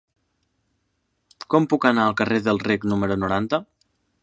Com puc anar al carrer del Rec número noranta?